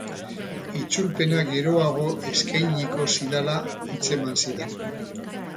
Itzulpena geroago eskainiko zidala hitzeman zidan.